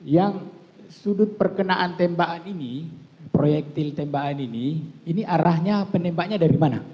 yang sudut perkenaan tembakan ini proyektil tembakan ini ini arahnya penembaknya dari mana